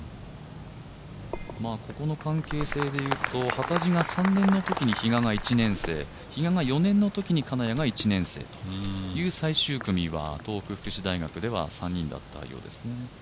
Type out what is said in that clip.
ここの関係性でいうと幡地が３年のときに比嘉が１年生比嘉が４年のときに金谷が１年生という東北福祉大学では３人だったようです。